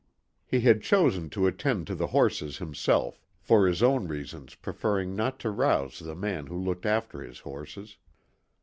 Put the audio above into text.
He had chosen to attend to the horses himself, for his own reasons preferring not to rouse the man who looked after his horses.